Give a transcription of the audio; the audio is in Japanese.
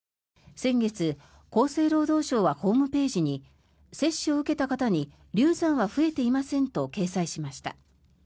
先月、厚生労働省はホームページに接種を受けた方に流産は増えていませんと掲載しました。